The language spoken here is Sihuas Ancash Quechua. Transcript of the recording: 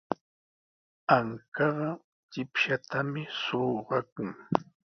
Ankaqa chipshatami suqakun.